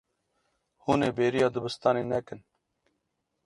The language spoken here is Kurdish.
Hûn ê bêriya dibistanê nekin.